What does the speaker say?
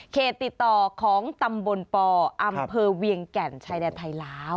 ติดต่อของตำบลปอำเภอเวียงแก่นชายแดนไทยลาว